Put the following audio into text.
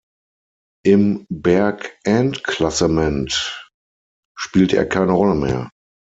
Im Berg-Endklassement spielte er keine Rolle mehr.